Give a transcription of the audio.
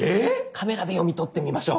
カメラで読み取ってみましょう！